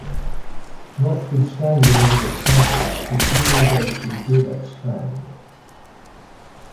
Notwithstanding all the trouble, the congregation did expand.